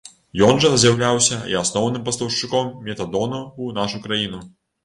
Ён жа з'яўляўся і асноўным пастаўшчыком метадону ў нашу краіну.